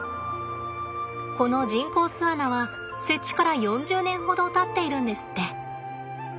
この人工巣穴は設置から４０年ほどたっているんですって。